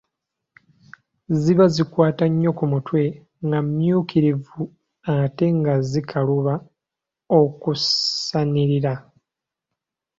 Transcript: "Ziba zeekwata nnyo ku mutwe, nga mmyukirivu ate nga zikaluba okusanirira."